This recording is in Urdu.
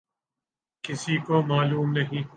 کسی کو معلوم نہیں۔